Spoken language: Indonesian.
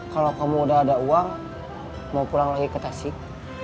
kalau kamu udah ada uang mau pulang lagi ke tasik